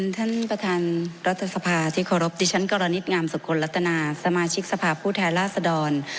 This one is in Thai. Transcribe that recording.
ท่านประธานรัฐสภาที่ขอรับดิฉันกรณิตงามสุขคลตนัสสมาชิกทรัพย์ผู้แท้ลาศดร